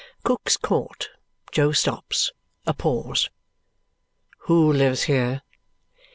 Cook's Court. Jo stops. A pause. "Who lives here?"